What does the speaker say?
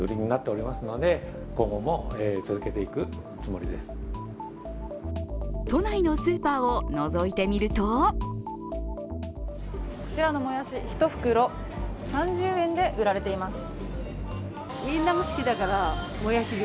それでも都内のスーパーをのぞいてみるとこちらのもやし、１袋、３０円で売られています。